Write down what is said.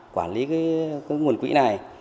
quản lý cái nguồn quỹ này